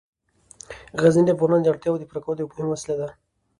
غزني د افغانانو د اړتیاوو د پوره کولو یوه مهمه وسیله ده.